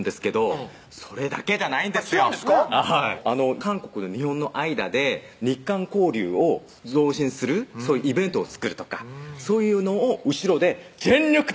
韓国と日本の間で日韓交流を増進するそういうイベントを作るとかそういうのを後ろで全力で！